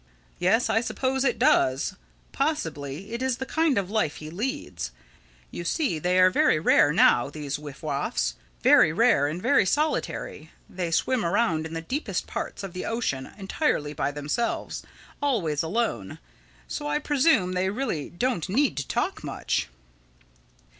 "Yes, I suppose it does. Possibly it is the kind of life he leads. You see, they are very rare now, these Wiff Waffs—very rare and very solitary. They swim around in the deepest parts of the ocean entirely by themselves—always alone. So I presume they really don't need to talk much."